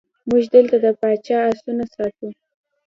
موږ دلته د پاچا آسونه ساتو.